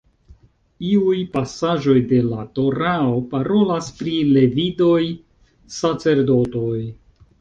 Iuj pasaĵoj de la Torao parolas pri “levidoj sacerdotoj”.